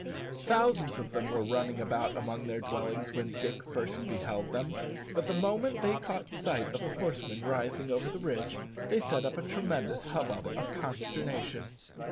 Thousands of them were running about among their dwellings when Dick first beheld them; but the moment they caught sight of the horsemen rising over the ridge they set up a tremendous hubbub of consternation.